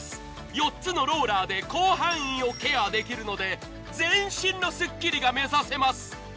４つのローラーで広範囲をケアできるので全身のスッキリが目指せます。